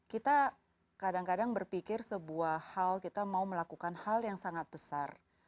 kita kadang kadang berpikir sebuah hal kita mau melakukan hal yang sangat besar